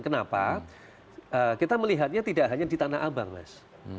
kenapa kita melihatnya tidak hanya di tanah abang mas